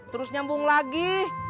terus nyambung lagi